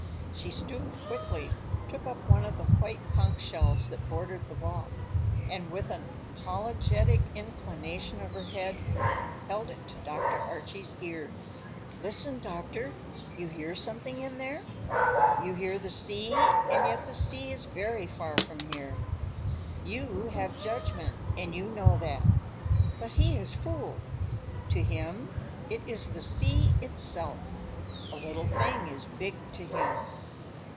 She stooped quickly, took up one of the white conch shells that bordered the walk, and, with an apologetic inclination of her head, held it to Dr. Archie's ear. "Listen, doctor. You hear something in there? You hear the sea; and yet the sea is very far from here. You have judgment, and you know that. But he is fooled. To him, it is the sea itself. A little thing is big to him."